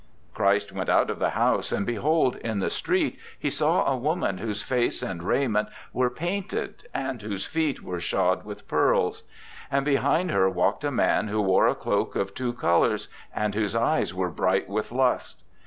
" Christ went out of the house, and behold! in the street He saw a woman whose face and raiment were painted and whose feet were shod with pearls. And behind her walked a man who wore a cloak of two colours, and whose eyes were bright with lust.